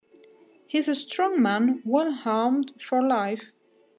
He's a strong man, well armed for life.